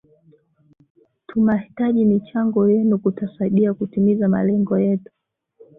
Tumahtaji michango yenu kutusaidia kutimiza malengo yetu